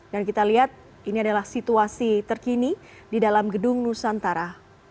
dan kita lihat ini adalah situasi terkini di dalam gedung nusantara